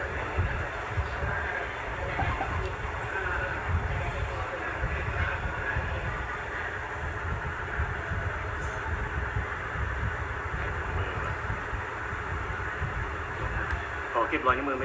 มันก็ของพิสูจน์ของไม่